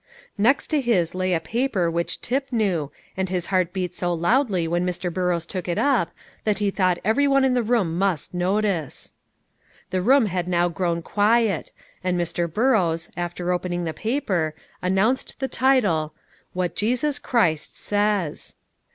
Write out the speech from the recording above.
Next to his lay a paper which Tip knew, and his heart beat so loudly when Mr. Burrows took it up, that he thought every one in the room must notice. The room had now grown quiet, and Mr. Burrows, after opening the paper, announced the title, "WHAT JESUS CHRIST SAYS."